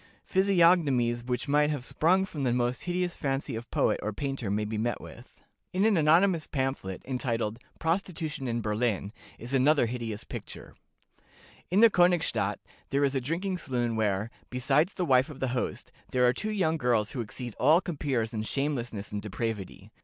Physiognomies which might have sprung from the most hideous fancy of poet or painter may be met with." In an anonymous pamphlet, entitled "Prostitution in Berlin," is another hideous picture: "In the Königstadt there is a drinking saloon where, besides the wife of the host, there are two young girls who exceed all compeers in shamelessness and depravity.